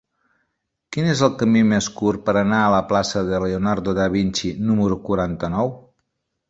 Quin és el camí més curt per anar a la plaça de Leonardo da Vinci número quaranta-nou?